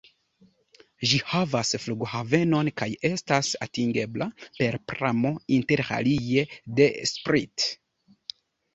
Ĝi havas flughavenon kaj estas atingebla per pramo interalie de Split.